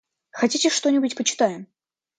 Хотите, что-нибудь почитаем?